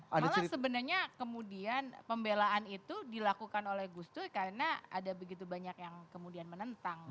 malah sebenarnya kemudian pembelaan itu dilakukan oleh gus dur karena ada begitu banyak yang kemudian menentang